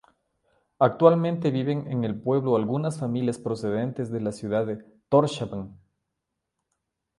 Actualmente viven en el pueblo algunas familias procedentes de la ciudad de Tórshavn.